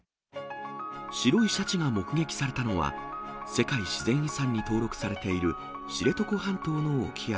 白いシャチが目撃されたのは、世界自然遺産に登録されている知床半島の沖合。